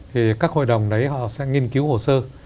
thì các hội đồng đấy họ sẽ nghiên cứu hồ sơ